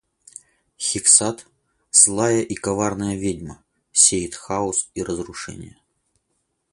Хексат, злая и коварная ведьма, сеет хаос и разрушение.